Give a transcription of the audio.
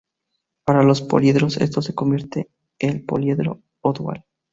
Para los poliedros, esto se convierte en el poliedro dual.